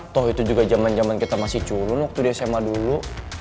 toh itu juga jaman jaman kita masih culun waktu di sma dulu